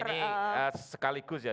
ini sekaligus ya